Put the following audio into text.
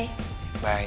gila banget sih